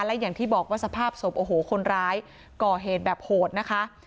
และอย่างที่บอกว่าสภาพศพโอ้โหคนร้ายก่อเหตุแบบโหดนะคะ